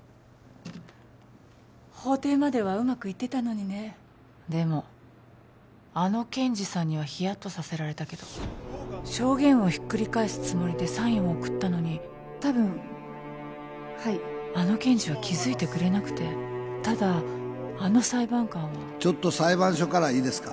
法廷まではうまくいってたのにねでもあの検事さんにはヒヤッとさせられたけど証言をひっくり返すつもりでサインを送ったのに多分はいあの検事は気づいてくれなくてただあの裁判官はちょっと裁判所からいいですか？